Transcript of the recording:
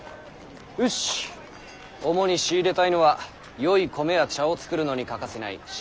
よし主に仕入れたいのはよい米や茶を作るのに欠かせない〆